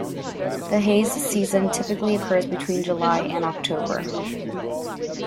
The haze season typically occurs between July and October.